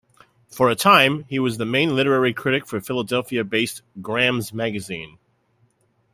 For a time, he was the main literary critic for Philadelphia-based "Graham's Magazine".